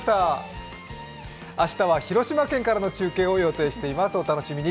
明日は広島県からの中継を予定しています、お楽しみに。